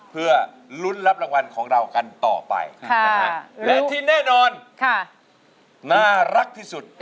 เพื่อลุ้นรับรางวัลของเรากันต่อไปและที่แน่นอนน่ารักที่สุด